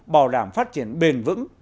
bảo đảm phát triển bền vững